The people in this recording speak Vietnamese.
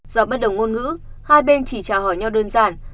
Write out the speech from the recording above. do bất đồng ngôn ngữ hai bên chỉ trả hỏi nhau đơn giản